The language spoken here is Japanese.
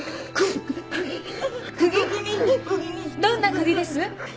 どんな釘です？